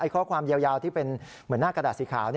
ข้อความยาวที่เป็นเหมือนหน้ากระดาษสีขาว